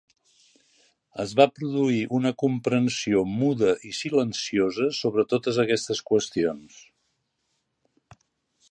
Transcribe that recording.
Es va produir una comprensió muda i silenciosa sobre totes aquestes qüestions.